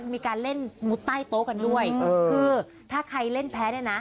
มีการเล่นมุดใต้โต๊ะกันด้วยคือถ้าใครเล่นแพ้เนี่ยนะ